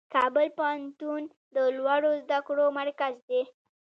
کابل پوهنتون د لوړو زده کړو مرکز دی.